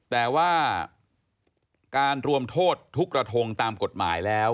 แต่ว่าการรวมโทษทุกกระทงตามกฎหมายแล้ว